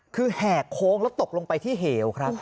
คือแหกโค้งแล้วตกลงไปที่เหวครับ